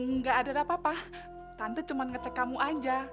nggak ada apa apa tante tante cuma ngecek kamu aja